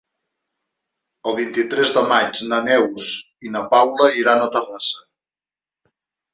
El vint-i-tres de maig na Neus i na Paula iran a Terrassa.